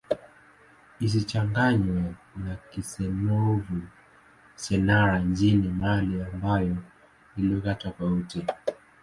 Isichanganywe na Kisenoufo-Syenara nchini Mali ambayo ni lugha tofauti.